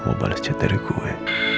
gak mau bales chat dari gue